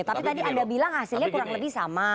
tapi tadi anda bilang hasilnya kurang lebih sama